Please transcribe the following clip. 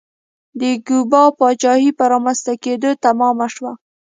د کیوبا پاچاهۍ په رامنځته کېدو تمام شو.